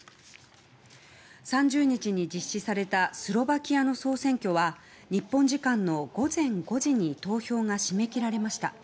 ３０日に実施されたスロバキアの総選挙は日本時間の午前５時に投票が締め切られました。